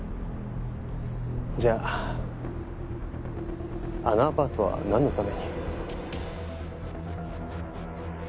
じゃあのアパートは何のために？